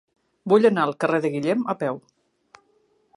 Vull anar al carrer de Guillem a peu.